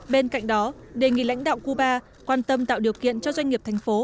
bên cạnh đó đề nghị lãnh đạo cuba quan tâm tạo điều kiện cho doanh nghiệp thành phố